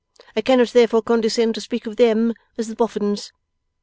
I cannot therefore condescend to speak of them as the Boffins.